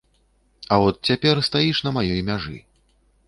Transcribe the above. А от цяпер стаіш на маёй мяжы.